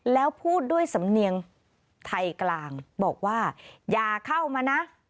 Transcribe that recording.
แล้วพูดด้วยสำเนียงไทยกลางบอกว่าอย่าเข้ามานะ